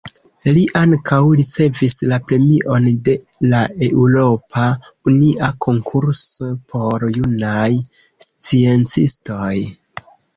Li ankaŭ ricevis la Premion de la Eŭropa Unia Konkurso por Junaj Sciencistoj.